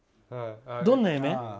どんな夢？